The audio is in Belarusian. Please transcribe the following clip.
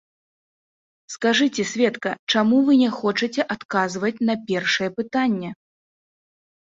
Скажыце, сведка, чаму вы не хочаце адказваць на першае пытанне?